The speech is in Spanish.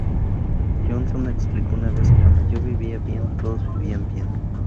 Johnson explicó una vez: "cuando yo vivía bien, todos vivían bien".